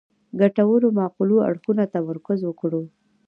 ګټورو معقولو اړخونو تمرکز وکړو.